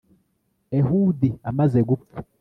ehudi amaze gupfa